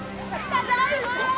ただいま！